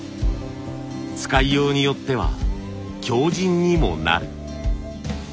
使いようによっては強じんにもなる。